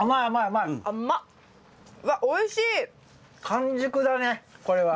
完熟だねこれは。